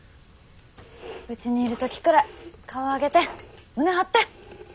うちにいる時くらい顔上げて胸張って。